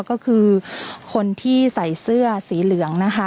ก็คือคนที่ใส่เสื้อสีเหลืองนะคะ